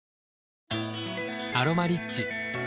「アロマリッチ」